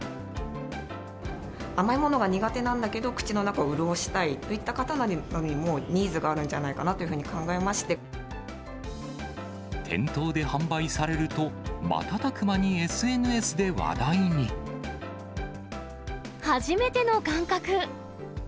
甘いものが苦手なんだけど、口の中を潤したいといった方なんかにもニーズがあるんじゃないか店頭で販売されると、初めての感覚。